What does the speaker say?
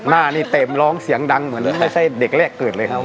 หน้านี่เต็มร้องเสียงดังเหมือนไม่ใช่เด็กแรกเกิดเลยครับ